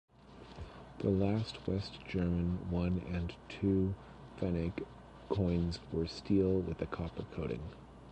The last West German one- and two-pfennig coins were steel with a copper coating.